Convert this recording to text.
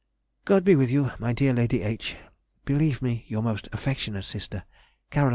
God be with you, my dear Lady H. Believe me your most affectionate sister, C. HERSCHEL.